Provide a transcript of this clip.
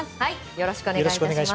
よろしくお願いします。